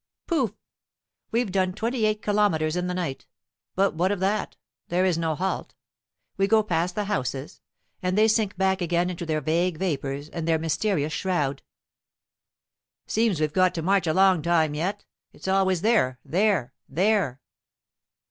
Poof! We've done twenty eight kilometers in the night. But what of that? There is no halt. We go past the houses, and they sink back again into their vague vapors and their mysterious shroud. "Seems we've got to march a long time yet. It's always there, there, there!"